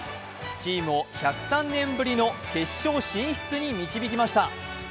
チームを１０３年ぶりの決勝進出に導きました。